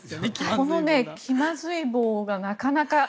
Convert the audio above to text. このきまずい棒がなかなか。